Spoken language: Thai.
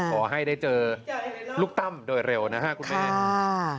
ขอให้ได้เจอลูกตั้มโดยเร็วนะฮะคุณแม่